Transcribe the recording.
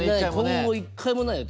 今後１回もないよ